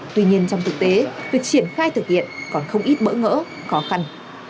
tuy nhiên trong thực tế việc triển khai thực hiện còn không ít bỡ ngỡ khó khăn